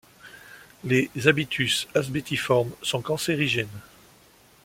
Les habitus asbestiformes sont cancérigènes.